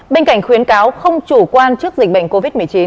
bên cạnh khuyến cáo không chủ quan trước dịch bệnh covid một mươi chín